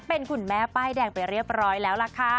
เป็นคุณแม่ป้ายแดงไปเรียบร้อยแล้วล่ะค่ะ